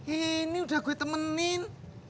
ini udah gue temenin